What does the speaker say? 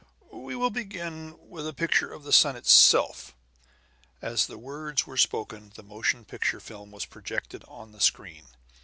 "We will begin with a picture of the sun herself." As the words were spoken, a motion picture film was projected on the screen.